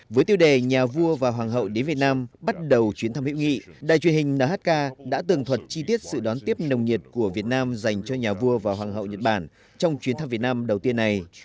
với tiêu đề nhà vua và hoàng hậu đến việt nam bắt đầu chuyến thăm hữu nghị đài truyền hình nhk đã tường thuật chi tiết sự đón tiếp nồng nhiệt của việt nam dành cho nhà vua và hoàng hậu nhật bản trong chuyến thăm việt nam đầu tiên này